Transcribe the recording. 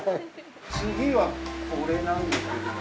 次は、これなんですけど。